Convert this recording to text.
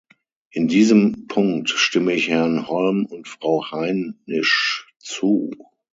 In diesem Punkt stimme ich Herrn Holm und Frau Heinisch zu.